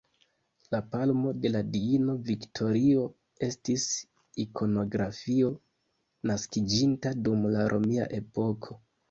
La palmo de la diino Viktorio estis ikonografio naskiĝinta dum la romia epoko.